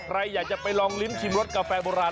ใครอยากจะไปลองลิ้มชิมรสกาแฟโบราณ